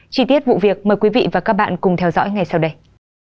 chi tiết vụ việc mời quý vị và các bạn cùng theo dõi ngay sau đây